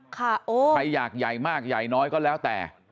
ใครอยากใหญ่มากใหญ่น้อยก็แล้วแต่